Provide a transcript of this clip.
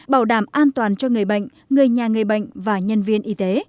bảo đảm an toàn cho người bệnh người nhà người bệnh và nhân viên y tế